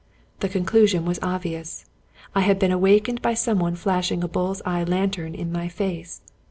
The conclusion was obvious. I had been awak ened by some one flashing a bulFs eye lantern in my face.